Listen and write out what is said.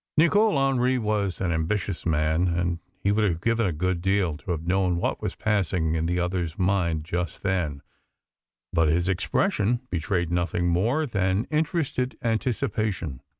Nicol Hendry was an ambitious man, and he would have given a good deal to have known what was passing in the other's mind just then, but his expression betrayed nothing more than interested anticipation.